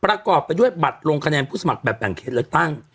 ประกอบไปด้วยบัตรลงคะแนนผู้สมัครแบบแบ่งเขตเลือกตั้ง